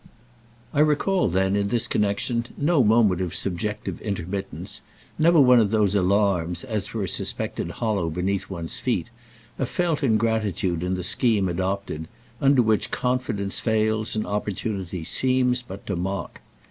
I recall then in this connexion no moment of subjective intermittence, never one of those alarms as for a suspected hollow beneath one's feet, a felt ingratitude in the scheme adopted, under which confidence fails and opportunity seems but to mock.